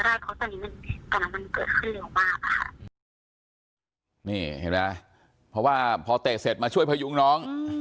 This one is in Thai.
นี่เห็นไหมล่ะเพราะว่าพอเตะเสร็จมาช่วยพยุงน้อง